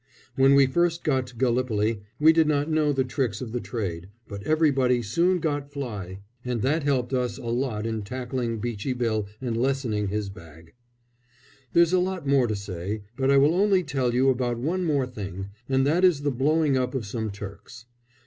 When we first got to Gallipoli we did not know the tricks of the trade, but everybody soon got fly, and that helped us a lot in tackling "Beachy Bill" and lessening his bag. There's a lot more to say, but I will only tell you about one more thing, and that is the blowing up of some Turks.